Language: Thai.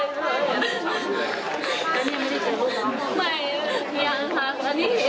ใช่ค่ะ